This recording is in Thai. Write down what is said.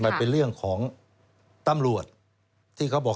มันเป็นเรื่องของตำรวจที่เขาบอก